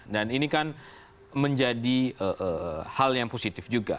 dan ini kan menjadi hal yang positif juga